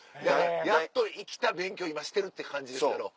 やっと生きた勉強今してるって感じですけど。